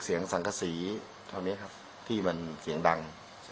เสียงสั่งสีเท่านี้ครับที่มันเสียงดัง